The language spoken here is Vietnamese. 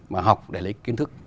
mà học để lấy kiến thức